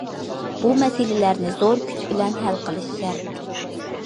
بۇ مەسىلىلەرنى زور كۈچ بىلەن ھەل قىلىش شەرت.